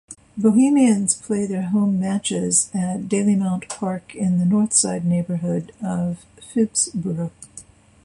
Bohemians play their home matches at Dalymount Park in the Northside neighbourhood of Phibsborough.